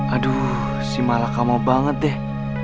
aduh si malah kamu banget deh